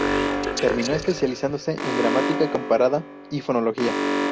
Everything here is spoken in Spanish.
Terminó especializándose en gramática comparada y fonología.